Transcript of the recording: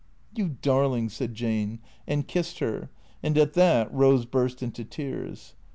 " You darling," said Jane, and kissed her, and at that Rose burst into tears.